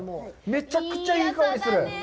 めちゃくちゃいい香りする。